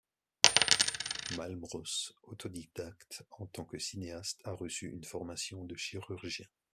Malmros, autodidacte en tant que cinéaste, a reçu une formation de chirurgien.